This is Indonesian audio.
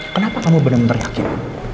kenapa kamu bener bener yakin